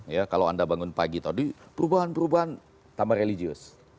ya kalau anda bangun pagi tadi perubahan perubahan tambah religius